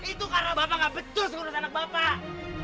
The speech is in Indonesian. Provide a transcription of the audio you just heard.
itu karena bapak gak betul segera sama anak bapak